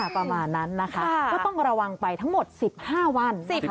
ประมาณนั้นนะคะก็ต้องระวังไปทั้งหมด๑๕วัน